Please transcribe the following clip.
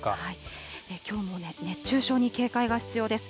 きょうも熱中症に警戒が必要です。